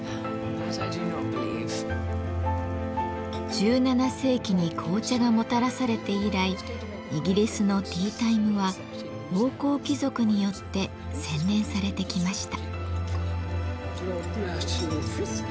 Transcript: １７世紀に紅茶がもたらされて以来イギリスのティータイムは王侯貴族によって洗練されてきました。